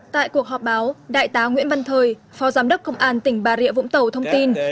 tại cuộc họp báo đại tá nguyễn văn thời phó giám đốc công an tỉnh bà rịa vũng tàu thông tin